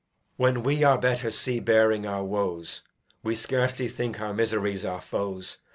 When we our betters see bearing our woes, We scarcely think our miseries our foes.